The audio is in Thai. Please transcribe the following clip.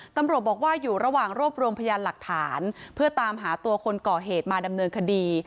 ตำรวจบอกว่าอยู่ระหว่างรวบรวมพยานหลักฐานเพื่อตามหาตัวคนก่อเหตุมาดำเนินคดี